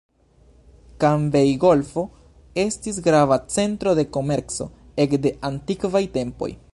Kambej-Golfo estis grava centro de komerco ekde antikvaj tempoj.